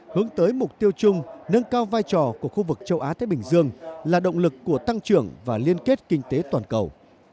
hướng tới mục tiêu chung nâng cao vai trò của khu vực châu á thái bình dương là động lực của tăng trưởng và liên kết kinh tế toàn cầu